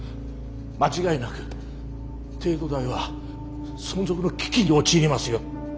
間違いなく帝都大は存続の危機に陥りますよ！